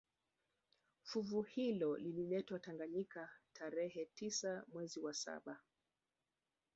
Fuvu hilo lililetwa Tanganyika tarehe tisa mwezi wa saba